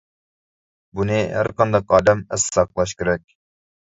بۇنى ھەر قانداق ئادەم ئەستە ساقلاش كېرەك.